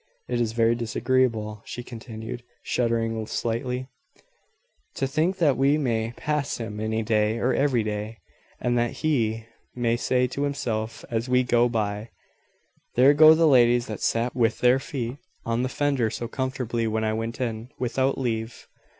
It is very disagreeable," she continued, shuddering slightly, "to think that we may pass him any day or every day, and that he may say to himself as we go by, `There go the ladies that sat with their feet on the fender so comfortably when I went in, without leave!'"